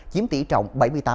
chiếm tỷ trọng bảy mươi tám chín